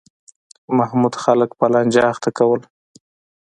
محمود خلک په لانجه اخته کول.